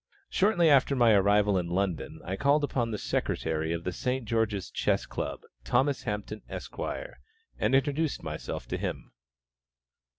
Shortly after my arrival in London, I called upon the Secretary of the St. George's Chess Club, Thomas Hampton, Esq., and introduced myself to him.